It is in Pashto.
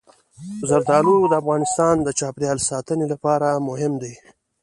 زردالو د افغانستان د چاپیریال ساتنې لپاره مهم دي.